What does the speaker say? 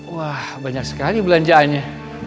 wah banyak sekali belanjaannya